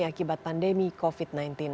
akibat pandemi covid sembilan belas